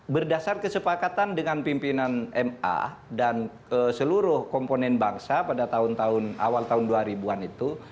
berdasar kesepakatan dengan pimpinan ma dan seluruh komponen bangsa pada tahun tahun awal tahun dua ribu an itu